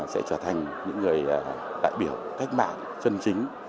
sẽ trở thành những người đại biểu cách mạng chân chính